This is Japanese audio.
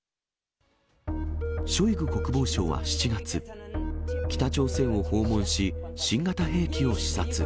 ショイグ国防相は７月、北朝鮮を訪問し、新型兵器を視察。